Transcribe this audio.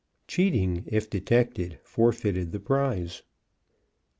Cheating, if detected, forfeited the prize.